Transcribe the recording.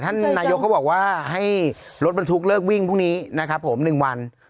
ท่านนายก็บอกว่าทำให้รถมันทุกข์เลิกวิ่งผู้นี้๑วัน